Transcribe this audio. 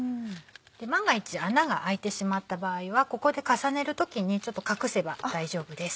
万が一穴が開いてしまった場合はここで重ねる時にちょっと隠せば大丈夫です。